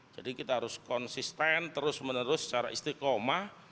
jadi kita harus konsisten terus menerus secara istikomah